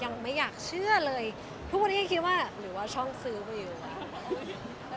ยังไม่อยากเชื่อเลยทุกคนที่คิดว่าหรือว่าช่องซื้อไปอยู่หรือว่า